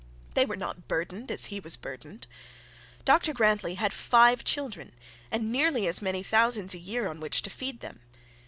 They were not burdened as he was burdened. Dr Grantly had five children, and nearly as many thousands a year on which to feed them.